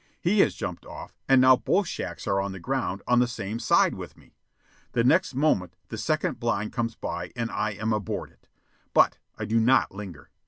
He has jumped off, and now both shacks are on the ground on the same side with me. The next moment the second blind comes by and I am aboard it. But I do not linger.